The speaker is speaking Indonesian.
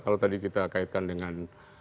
kalau tadi kita kaitkan dengan